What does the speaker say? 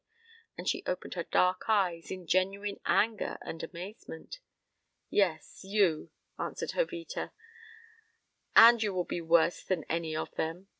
And she opened her dark eyes in genuine anger and amazement. "Yes, you," answered Jovita. "And you will be worse than any of them.